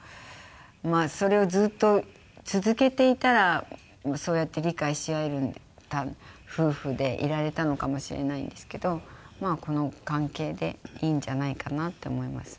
まあそれをずっと続けていたらそうやって理解し合えた夫婦でいられたのかもしれないんですけどまあこの関係でいいんじゃないかなって思いますね。